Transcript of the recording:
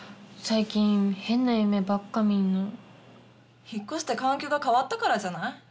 最近変な夢ばっか見んの引っ越して環境が変わったからじゃない？